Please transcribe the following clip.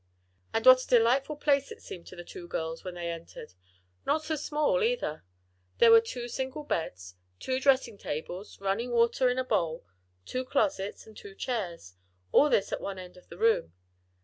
And what a delightful place it seemed to the two girls, when they entered! Not so small, either. There were two single beds, two dressing tables, running water in a bowl, two closets and two chairs all this at one end of the room.